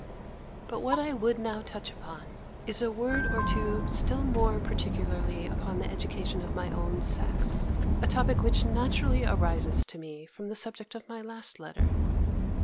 But what I would now touch upon, is a word or two still more particularly upon the education of my own sex; a topic which naturally arises to me from the subject of my last letter.